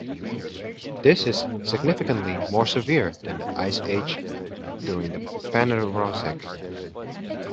This is significantly more severe than the ice age during the Phanerozoic.